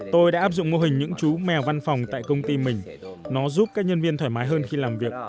tôi đã áp dụng mô hình những chú mèo văn phòng tại công ty mình nó giúp các nhân viên thoải mái hơn khi làm việc